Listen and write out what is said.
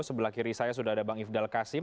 sebelah kiri saya sudah ada bang ifdal kasim